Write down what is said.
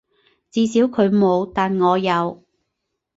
至少佢冇，但我有